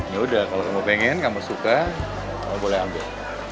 yaudah kalau kamu pengen kamu suka kamu boleh ambil